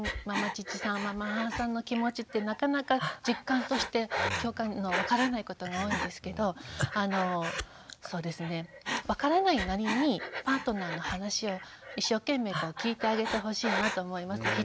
まま父さんまま母さんの気持ちってなかなか実感として分からないことが多いんですけどそうですね分からないなりにパートナーの話を一生懸命聞いてあげてほしいなと思います。